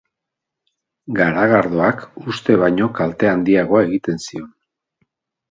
Garagardoak uste baino kalte handiagoa egiten zion.